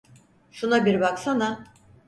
Şuna bir baksana.